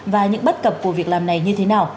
và những bất cập của việc làm này như thế nào